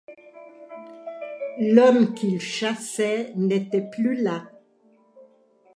L'homme qu'il chassait n'était plus là.